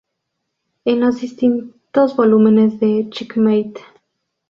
En los distintos volúmenes de "Checkmate!